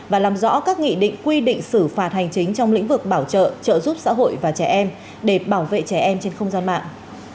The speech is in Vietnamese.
và làm rõ các nghị định quy định xử phạt hành chính trong lĩnh vực bảo trợ trợ giúp xã hội và trẻ em để bảo vệ trẻ em trên không gian mạng